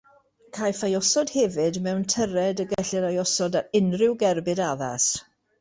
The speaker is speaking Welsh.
Caiff ei osod hefyd mewn tyred y gellir ei osod ar unrhyw gerbyd addas.